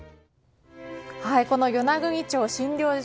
この与那国町診療所。